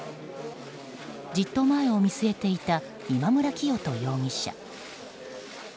じっと前を見据えていた今村磨人容疑者。